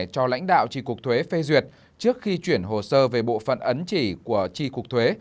cho lãnh đạo tri cục thuế phê duyệt trước khi chuyển hồ sơ về bộ phận ấn chỉ của tri cục thuế